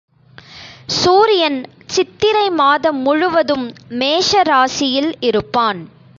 சூரியன் சித்திரை மாதம் முழுவதும் மேஷ ராசியில் இருப்பான்.